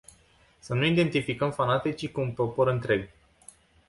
Să nu identificăm fanaticii cu un popor întreg.